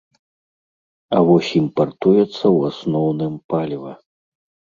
А вось імпартуецца ў асноўным паліва.